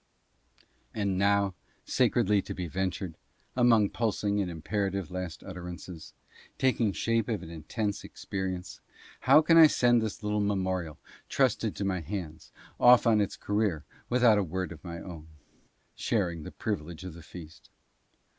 And now, sacredly to be ventured, among pulsing and imper ative last utterances, taking shape of an intense experience, how can I send this little memorial trusted to my hands off on its "RECORDERS AGES HENCE." j>j career without a word my own, sharing the privilege of the feast?